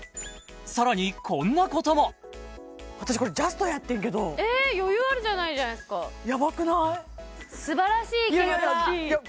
さらにこんなことも私これジャストやってんけど余裕あるじゃないですかヤバくない？